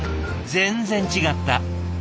全然違った。